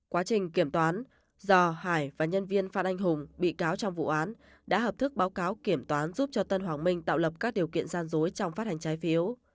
quá trình kiểm toán do hải và nhân viên phan anh hùng bị cáo trong vụ án đã hợp thức báo cáo kiểm toán giúp cho tân hoàng minh tạo lập các điều kiện gian dối trong phát hành trái phiếu